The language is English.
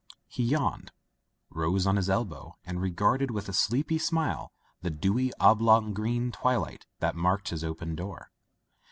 He yawned, rose on his elbow, and regarded with a sleepy smile the dewy oblong of green twilight that marked his open door.